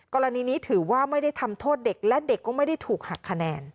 กรณีนี้ถือว่าไม่ได้ทำโทษเด็กและเด็กก็ไม่ได้ถูกหักคะแนน